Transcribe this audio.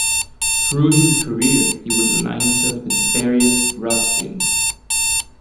Through his career he would align himself with various rap scenes.